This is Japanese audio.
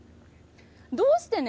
どうしてね